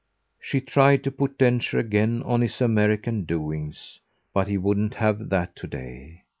She tried to put Densher again on his American doings, but he wouldn't have that to day.